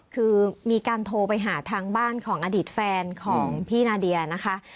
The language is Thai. คือมีการโทรไปหาทางบ้านของอดีตแฟนของพี่นาเดียนะคะ